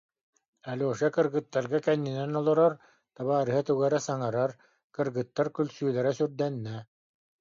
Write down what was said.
Алеша кыргыттарга кэннинэн олорор, табаарыһа тугу эрэ саҥарар, кыргыттар күлсүүлэрэ сүрдэннэ